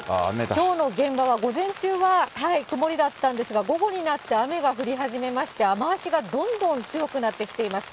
きょうの現場は、午前中は曇りだったんですが、午後になって雨が降り始めまして、雨足がどんどん強くなってきています。